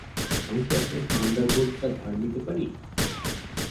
আমি কি আপনার থান্ডারবোল্টটা ধার নিতে পারি?